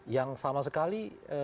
yang sama sekali